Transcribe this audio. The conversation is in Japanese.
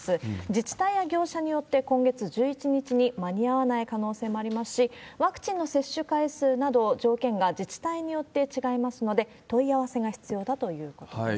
自治体や業者によって、今月１１日に間に合わない可能性もありますし、ワクチンの接種回数など、条件が自治体によって違いますので、問い合わせが必要だということです。